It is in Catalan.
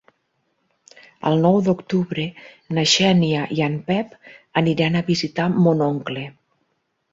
El nou d'octubre na Xènia i en Pep aniran a visitar mon oncle.